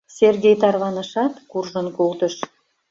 Сергей тарванышат, куржын колтыш.